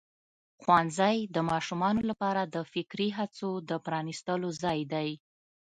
ښوونځی د ماشومانو لپاره د فکري هڅو د پرانستلو ځای دی.